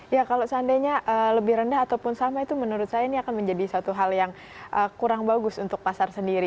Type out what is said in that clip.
ya kalau seandainya lebih rendah ataupun sama itu menurut saya ini akan menjadi suatu hal yang kurang bagus untuk pasar sendiri